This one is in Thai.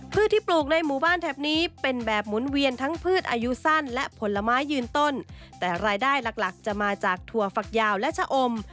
ที่ปลูกในหมู่บ้านแถบนี้เป็นแบบหมุนเวียนทั้งพืชอายุสั้นและผลไม้ยืนต้นแต่รายได้หลักหลักจะมาจากถั่วฝักยาวและชะอม